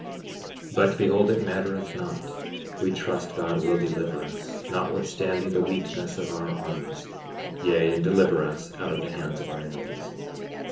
58:37 But, behold, it mattereth not—we trust God will deliver us, notwithstanding the weakness of our armies, yea, and deliver us out of the hands of our enemies.